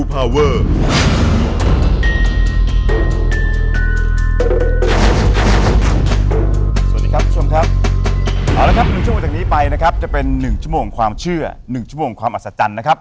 เอาละครับ๑ชั่วโมงจากนี้ไปนะครับจะเป็น๑ชั่วโมงความเชื่อ๑ชั่วโมงความอัศจรรย์นะครับ